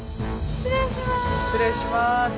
失礼します。